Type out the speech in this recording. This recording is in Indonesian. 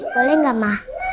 boleh gak ma